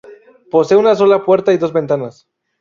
Posee una sola puerta y dos ventanas.